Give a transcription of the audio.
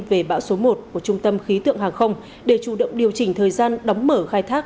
về bão số một của trung tâm khí tượng hàng không để chủ động điều chỉnh thời gian đóng mở khai thác